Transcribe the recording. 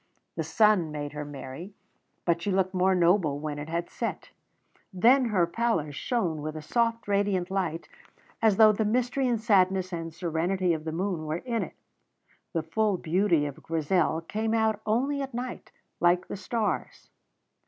The sun made her merry, but she looked more noble when it had set; then her pallor shone with a soft, radiant light, as though the mystery and sadness and serenity of the moon were in it. The full beauty of Grizel came out only at night, like the stars.